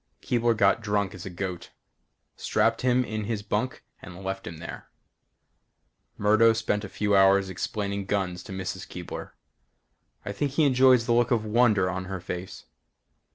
Keebler got drunk as a goat. Strapped him in his bunk and left him there. Murdo spent a few hours explaining guns to Mrs. Keebler. I think he enjoys the look of wonder on her face.